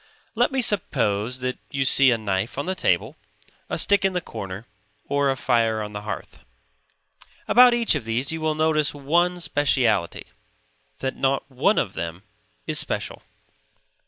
Let me suppose that you see a knife on the table, a stick in the corner, or a fire on the hearth. About each of these you will notice one speciality; that not one of them is special.